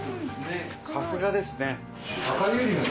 さすがですね。